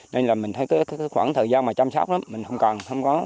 nên là mình thấy khoảng thời gian mà chăm sóc đó mình không cần không có